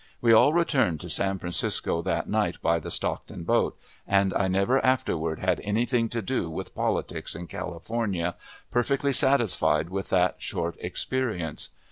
We all returned to San Francisco that night by the Stockton boat, and I never after ward had any thing to do with politics in California, perfectly satisfied with that short experience.